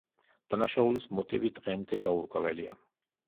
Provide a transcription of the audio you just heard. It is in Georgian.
დანაშაულის მოტივი დღემდე გაურკვეველია.